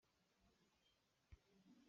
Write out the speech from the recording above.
Minṭhat a duh lomi ahohmanh kan um lo.